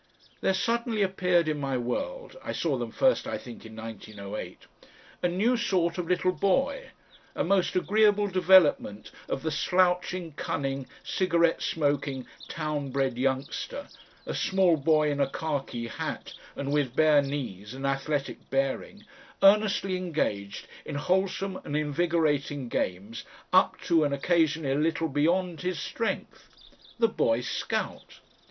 There suddenly appeared in my world I saw them first, I think, in 1908 a new sort of little boy, a most agreeable development of the slouching, cunning, cigarette smoking, town bred youngster, a small boy in a khaki hat, and with bare knees and athletic bearing, earnestly engaged in wholesome and invigorating games up to and occasionally a little beyond his strength the Boy Scout.